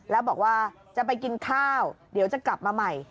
แล้วบอกว่าจะไปกินข้าวเดี๋ยวจะกลับมาใหม่